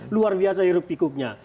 luar biasa hirup pikuknya